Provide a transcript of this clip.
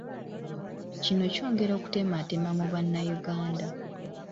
Kino kyongera okutematema mu bannayuganda.